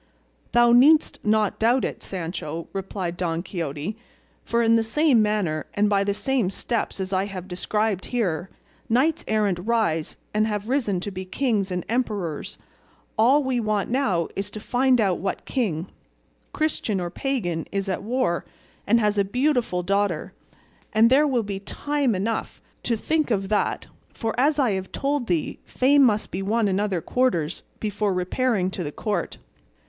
"Thou needst not doubt it, Sancho," replied Don Quixote, "for in the same manner, and by the same steps as I have described here, knights errant rise and have risen to be kings and emperors; all we want now is to find out what king, Christian or pagan, is at war and has a beautiful daughter; but there will be time enough to think of that, for, as I have told thee, fame must be won in other quarters before repairing to the court.